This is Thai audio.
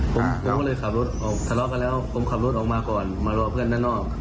ผมน้องก็เลยขับรถออกทะเลาะกันแล้วผมขับรถออกมาก่อนมารอเพื่อนด้านนอก